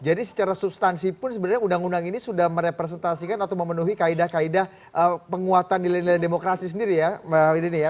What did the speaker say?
secara substansi pun sebenarnya undang undang ini sudah merepresentasikan atau memenuhi kaedah kaedah penguatan nilai nilai demokrasi sendiri ya mbak widini ya